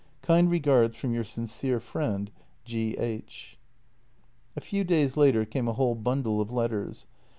" Kind regards from your sincere friend, G. H." A few days later came a whole bundle of letters.